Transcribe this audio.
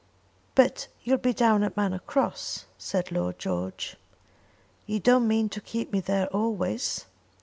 "But you'll be down at Manor Cross," said Lord George. "You don't mean to keep me there always."